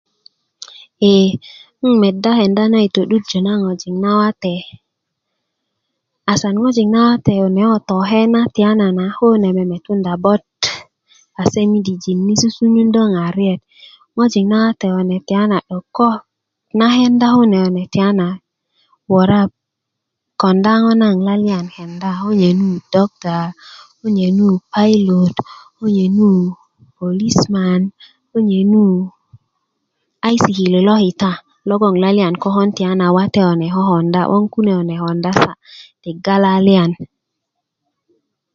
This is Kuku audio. e 'n meda kenda na i to'durjö na ŋojik nawate asan ŋojik nawate kune ko tokena tiyanan ko kune memetunda bot kase midijin ni susundö n'ŋariet ŋojik nawate kune 'dok na kenda kune tiyana wora konda ŋo nagon laliyan kulo kenda se ko nye nu doctor ko nye lu pilot ko nye lu police man ko nye lu ay sikili lo kita logon laliyan kokon toyana wate kokonda 'boŋ kune kune konda ka yega laliyan